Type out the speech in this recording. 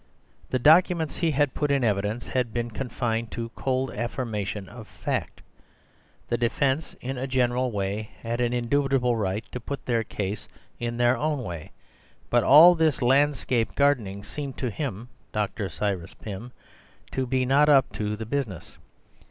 The documents he had put in evidence had been confined to cold affirmation of fact. The defence, in a general way, had an indubitable right to put their case in their own way, but all this landscape gardening seemed to him (Dr. Cyrus Pym) to be not up to the business.